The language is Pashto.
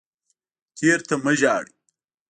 تیر ته مه ژاړئ